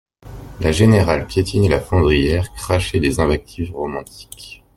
La générale piétinait la fondrière, crachait des invectives romantiques.